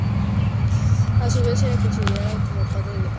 A su vez era considerado como padre de Baal.